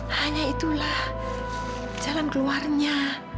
hanya itulah jalan keluarnya